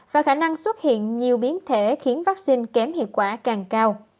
và khả năng xuất hiện nhiều biến thể khiến vaccine kém hiệu quả càng cao